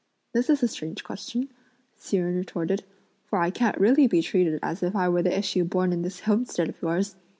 "This is a strange question!" Hsi Jen retorted, "for I can't really be treated as if I were the issue born in this homestead of yours!